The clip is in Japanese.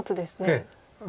ええ。